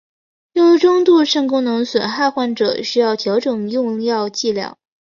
对于中度肾功能损害患者需要调整用药剂量。